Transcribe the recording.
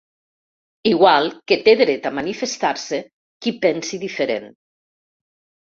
Igual que té dret a manifestar-se qui pensi diferent.